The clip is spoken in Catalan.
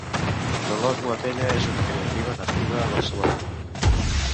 Dolors Boatella és una creativa nascuda a Barcelona.